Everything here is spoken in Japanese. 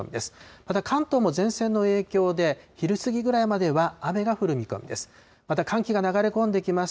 また関東も前線の影響で、昼過ぎぐらいまでは雨が降る見込みです。